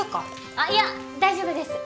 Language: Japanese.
あいや大丈夫です